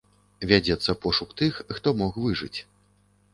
Вядзецца пошук тых, хто мог выжыць.